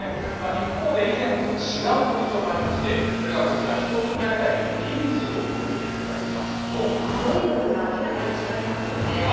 一方で、以前と違う特徴もありまして、それがこちら、１組当たりの人数を青い部分が明らかに違いますよね。